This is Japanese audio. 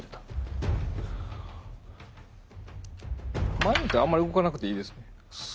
前見てあんまり動かなくていいです。